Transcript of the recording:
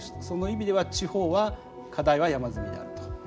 その意味では地方は課題は山積みであると。